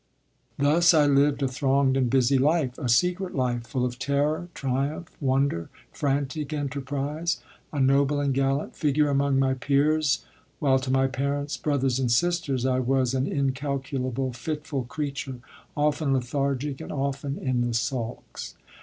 Thus I lived a thronged and busy life, a secret life, full of terror, triumph, wonder, frantic enterprise, a noble and gallant figure among my peers, while to my parents, brothers and sisters I was an incalculable, fitful creature, often lethargic and often in the sulks.